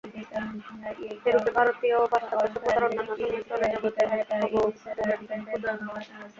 এরূপে ভারতীয় ও পাশ্চাত্য সভ্যতার অন্যান্য-সংমিশ্রণে জগতে এক নবযুগের অভ্যুদয় হবে।